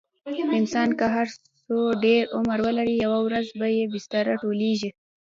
انسان که هر څو ډېر عمر ولري، یوه ورځ به یې بستره ټولېږي.